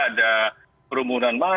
ada perumunan massa